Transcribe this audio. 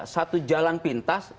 satu jalan pintas